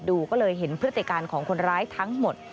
ก็เลยเห็นพฤติการของคนร้ายทั้งหมด